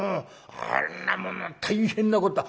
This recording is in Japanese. あんなもの大変なことだ。